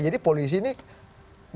jadi polisi ini gimana